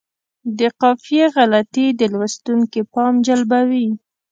د قافیې غلطي د لوستونکي پام جلبوي.